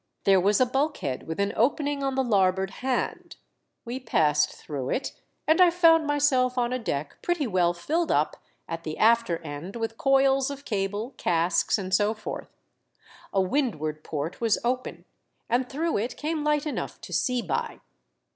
There was a bulkhead with an opening on the larboard hand : we passed through it, and I found myself on a deck pretty well filled up at the after end with coils of cable, casks, and so forth ; a windward port was open, and through it came light enough to see by.